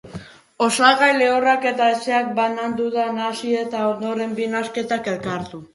Osagai lehorrak eta hezeak bananduta nahasi, eta ondoren bi nahasketak elkartu.